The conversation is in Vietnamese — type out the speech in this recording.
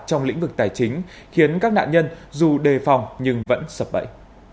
trong lĩnh vực tài chính khiến các nạn nhân dù đề phòng nhưng vẫn sập bẫy